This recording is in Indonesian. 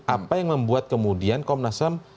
apa yang membuat kemudian komnas ham